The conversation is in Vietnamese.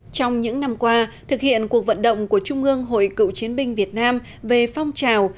trong những năm qua thực hiện cuộc vận động của trung ương hội cựu chiến binh việt nam về phong trào